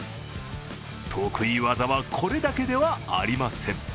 得意技はこれだけではありません。